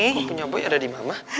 ini punya boy ada di mama